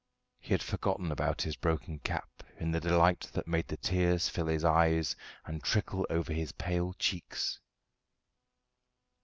He had forgotten about his broken cap in the delight that made the tears fill his eyes and trickle over his pale cheeks.